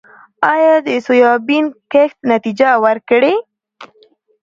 آیا د سویابین کښت نتیجه ورکړې؟